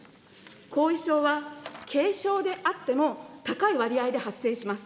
後遺症は軽症であっても、高い割合で発生します。